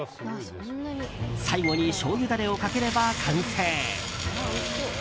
最後にしょうゆダレをかければ完成。